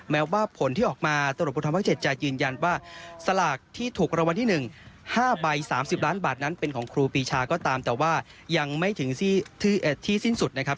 แม้ว่าผลที่ออกมาตรวจพุทธ๗จะยืนยันว่าสลากที่ถูกรางวัลที่๑๕ใบ๓๐ล้านบาทนั้นเป็นของครูปีชาก็ตามแต่ว่ายังไม่ถึงที่สิ้นสุดนะครับ